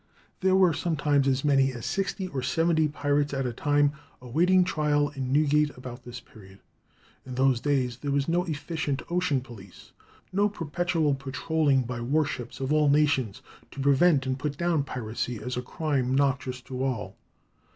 There were sometimes as many as sixty or seventy pirates at a time awaiting trial in Newgate, about this period. In those days there was no efficient ocean police, no perpetual patrolling by war ships of all nations to prevent and put down piracy as a crime noxious to all.